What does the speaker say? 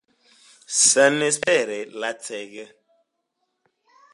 Senespere kaj lacege.